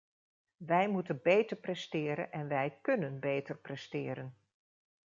Wij moeten beter presteren en wij kúnnen beter presteren.